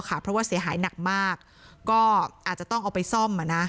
เพราะว่าเสียหายหนักมากก็อาจจะต้องเอาไปซ่อม